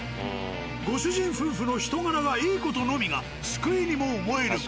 ご主人夫婦の人柄がいい事のみが救いにも思えるが。